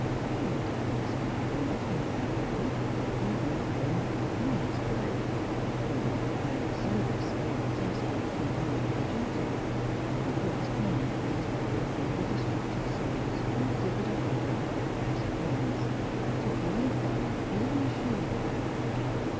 They were doubtless kind enough in their way — even if it were not the kindest way — only hired service, or the task work imposed by duty. It was common for these poor fever distracted souls to exhibit a horror of their best friends —'■ to fly from them even as she had fled.